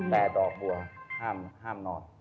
แต่ดอกบัวห้ามนอน